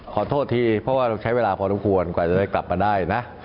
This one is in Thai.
ขอโทษทีเพราะว่าเราใช้เวลาพอสมควรกว่าจะได้กลับมาได้นะ